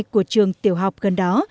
của trường tiểu học gần đó